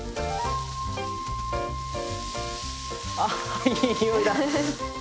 ああいい匂いだ！